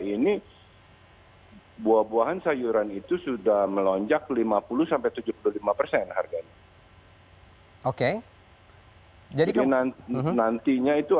ini buah buahan sayuran itu sudah melonjak lima puluh tujuh puluh lima persen harganya oke jadi nantinya itu